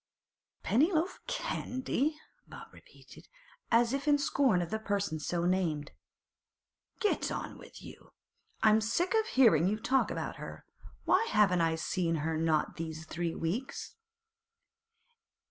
'Pennyloaf Candy!' Bob repeated, as if in scorn of the person so named. 'Get on with you! I'm sick of hearing you talk about her. Why I haven't seen her not these three weeks.